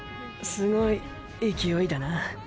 すごい勢いだな。